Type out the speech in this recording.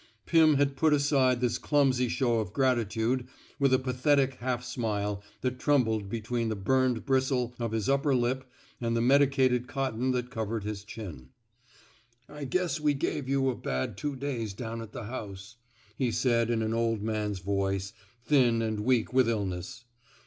Pim had put aside this clumsy show of gratitude with a pathetic half smile that trembled be tween the burned bristle of his upper lip and the medicated cotton that covered his chin. I guess we gave you a bad two days down at the house, he said, in an old man's voice, thin and weak with illness.